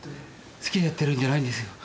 好きでやってるんじゃないんですよ。